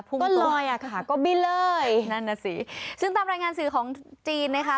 พุ่งตัวนั่นน่ะสิซึ่งตามรายงานสื่อของจีนนะคะ